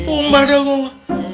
umbar dong gua